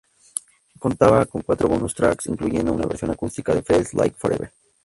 Contaba con cuatro bonus tracks, incluyendo una versión acústica de "Feels Like Forever".